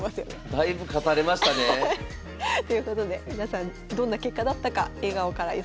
だいぶ勝たれましたね？ということで皆さんどんな結果だったか笑顔から予想してみてください。